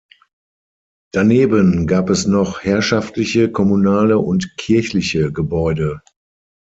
Daneben gab es noch herrschaftliche, kommunale und kirchliche Gebäude.